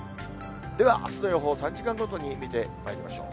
ではあすの予報、３時間ごとに見ていきましょう。